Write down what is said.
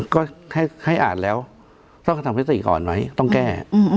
ก็ให้อ่านแล้วต้องกระทำพฤติก่อนไหมต้องแก้